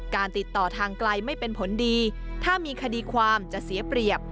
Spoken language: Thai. ติดต่อทางไกลไม่เป็นผลดีถ้ามีคดีความจะเสียเปรียบ